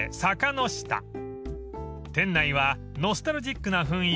［店内はノスタルジックな雰囲気］